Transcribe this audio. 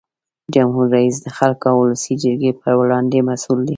جمهور رئیس د خلکو او ولسي جرګې په وړاندې مسؤل دی.